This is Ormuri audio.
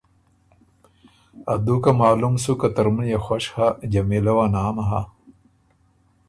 ا دُوکه معلوم سُک که ترمُن يې خوش هۀ، جمیلۀ وه نام هۀ۔